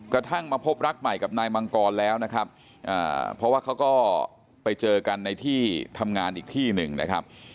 กระทั่งมาพบรักใหม่กับนายมังกรแล้วนะครับเพราะว่าเขาก็ไปเจอกันในที่ทำงานอีกที่หนึ่งนะครับ